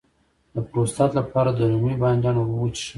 د پروستات لپاره د رومي بانجان اوبه وڅښئ